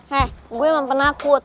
he gue emang penakut